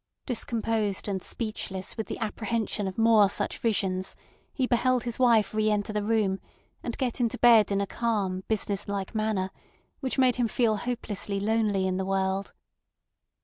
Discomposed and speechless with the apprehension of more such visions, he beheld his wife re enter the room and get into bed in a calm business like manner which made him feel hopelessly lonely in the world.